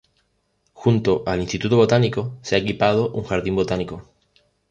Junto al "Instituto Botánico" se ha equipado un "jardín botánico".